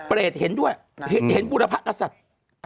เห็นด้วยเห็นบุรพกษัตริย์